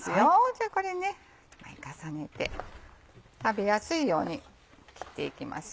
じゃあこれ２枚重ねて食べやすいように切っていきますよ。